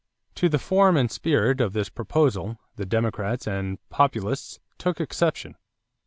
To the form and spirit of this proposal the Democrats and Populists took exception.